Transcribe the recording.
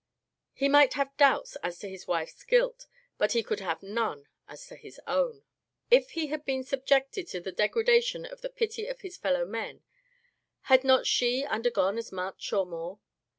He might have doubts as to his wife's guilt, but he could have none as to his own. If he had been subjected to the degradation of the pity of his fellow men, had not she under gone as much or more?